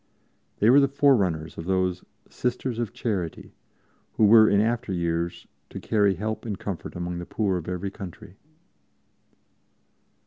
They were the forerunners of those "Sisters of Charity" who were in after years to carry help and comfort among the poor of every country.